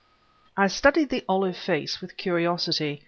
I studied the olive face with curiosity.